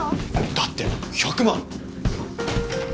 だって１００万。